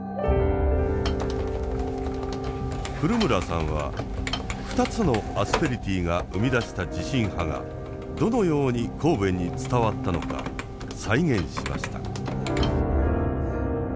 古村さんは２つのアスペリティが生み出した地震波がどのように神戸に伝わったのか再現しました。